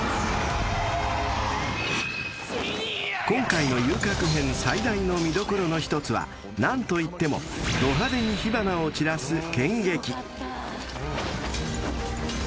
［今回の『遊郭編』最大の見どころの一つは何といってもド派手に火花を散らす］